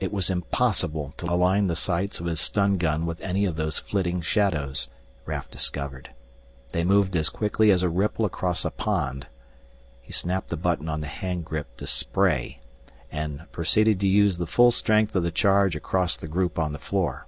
It was impossible to align the sights of his stun gun with any of those flitting shadows, Raf discovered. They moved as quickly as a ripple across a pond. He snapped the button on the hand grip to "spray" and proceeded to use the full strength of the charge across the group on the floor.